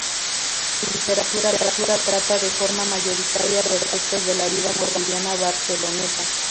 Su literatura trata, de forma mayoritaria, de aspectos de la vida cotidiana barcelonesa.